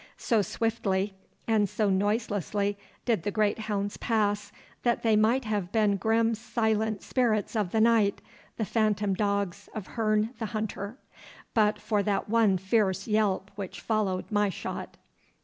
So swiftly and so noiselessly did the great hounds pass, that they might have been grim silent spirits of the night, the phantom dogs of Herne the hunter, but for that one fierce yelp which followed my shot.